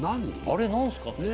あれ何すかね？